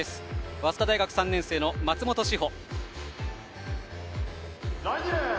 早稲田大学３年生の松本信歩。